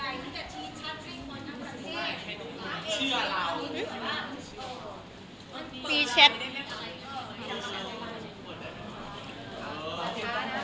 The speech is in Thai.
มีแชท